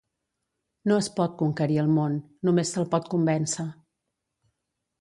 No es pot conquerir el món, només se’l pot convèncer.